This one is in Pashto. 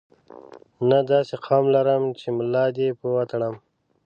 نه داسې قوم لرم چې ملا دې په وتړم.